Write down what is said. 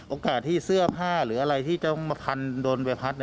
โอกาสที่เสื้อผ้าหรืออะไรที่จะมาพันโดนใบพัด